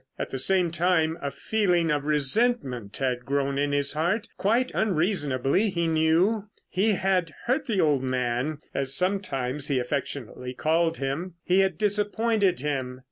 At the same time a feeling of resentment had grown in his heart, quite unreasonably he knew. He had hurt the old man, as sometimes he affectionately called him. He had disappointed him.